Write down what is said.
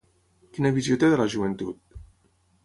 Quina visió té de la joventut?